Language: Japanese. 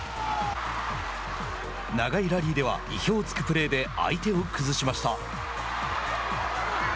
長いラリーでは意表をつくプレーで相手を崩しました。